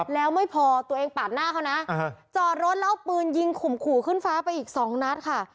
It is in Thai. แล้วไม่พอตัวเองปาดหน้าเขานะจอดรถแล้วเอาปืนยิงข่มขู่ขึ้นฟ้าไปอีกสองนัดค่ะ